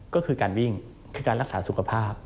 ก็คือการวิ่งคือการรักษาสุขภาพ